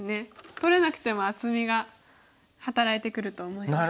取れなくても厚みが働いてくると思います。